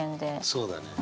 そうだね。